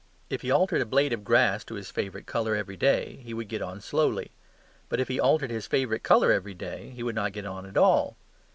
If he altered a blade of grass to his favourite colour every day, he would get on slowly. But if he altered his favourite colour every day, he would not get on at all.